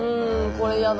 これやだ。